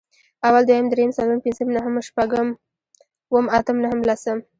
اول، دويم، درېيم، څلورم، پنځم، شپږم، اووم، اتم، نهم، لسم